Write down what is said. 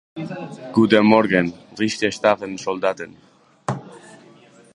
Euskal Herriko historia garaikidearen ispilu dira guztiak.